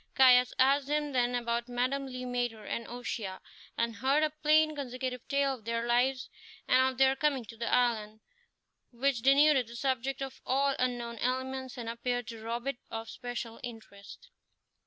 Caius asked him then about Madame Le Maître and O'Shea, and heard a plain consecutive tale of their lives and of their coming to the island, which denuded the subject of all unknown elements and appeared to rob it of special interest.